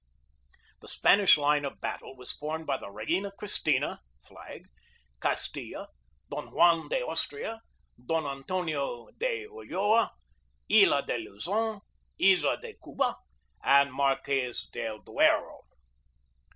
The Spanish line of battle was formed by the Reina Cristina (flag), Castilla, Don Juan de Austria, Don Antonio de Ulloa, Isla de Luzon, Isla de Cuba, and Marques del Duero.